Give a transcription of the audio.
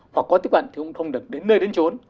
hoặc có tiếp cận thì cũng không được đến nơi đến trốn